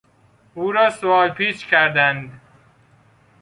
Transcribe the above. او را سوال پیچ کردند.